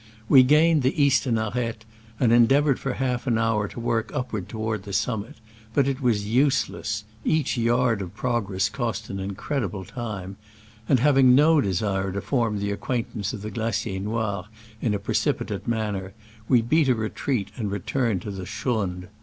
We gained the eastern arete, and endeav ored for half an hour to work upward toward the summit, but it was useless (each yard of progress cost an incredi ble time) ; and having no desire to form the acquaintance of the Glacier Noir in a precipitate manner, we beat a retreat and returned to the schrund.